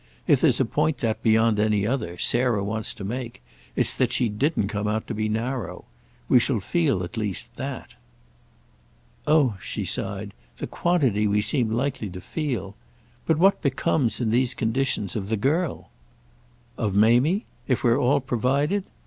If there's a point that, beyond any other, Sarah wants to make, it's that she didn't come out to be narrow. We shall feel at least that." "Oh," she sighed, "the quantity we seem likely to 'feel'! But what becomes, in these conditions, of the girl?" "Of Mamie—if we're all provided?